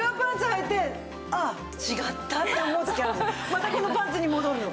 またこのパンツに戻るの。